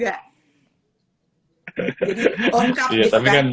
jadi ongkab gitu kan